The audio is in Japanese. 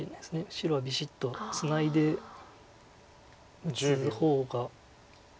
白はビシッとツナいで打つ方がいいですか。